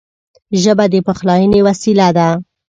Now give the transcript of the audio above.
ژبه د پخلاینې وسیله ده